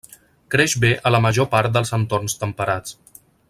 Creix bé a la major part dels entorns temperats.